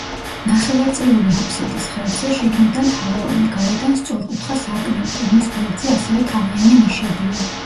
ნახევარწრიული აფსიდის ღერძზე შიგნიდან თაღოვანი, გარედან სწორკუთხა სარკმელია, მის გვერდზე ასევე თაღიანი ნიშებია.